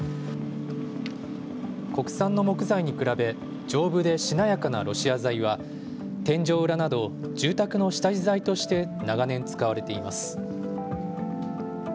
国産の木材に比べ丈夫でしなやかなロシア材は天井裏など住宅の下地材として長年、使われています。